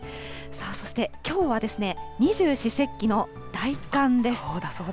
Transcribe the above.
さあそしてきょうは、二十四節気の大寒です。